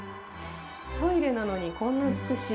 トイレなのにこんな美しい。